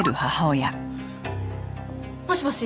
もしもし？